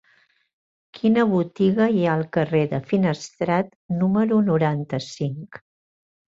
Quina botiga hi ha al carrer de Finestrat número noranta-cinc?